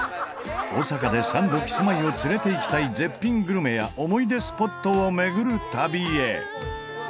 大阪でサンドキスマイを連れていきたい絶品グルメや思い出スポットを巡る旅へ。